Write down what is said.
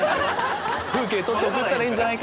「風景撮って送ったらいいんじゃないか」